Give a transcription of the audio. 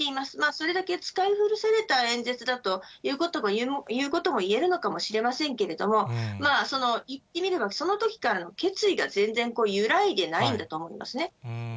それだけ使い古された演説だということも言えるのかもしれませんけれども、言ってみればそのときからの決意が全然揺らいでないんだと思うんですね。